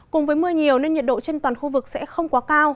cùng với mưa nhiều nên nhiệt độ trên toàn khu vực sẽ không quá cao